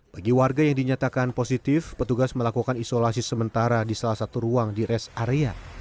bagi warga yang dinyatakan positif petugas melakukan isolasi sementara di salah satu ruang di res area